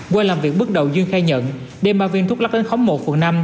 qua làm việc bước đầu dương khai nhận đem ba viên thuốc lắc đến khóng một phường năm